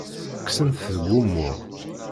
Kksen-t seg wumuɣ.